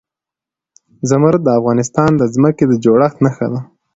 زمرد د افغانستان د ځمکې د جوړښت نښه ده.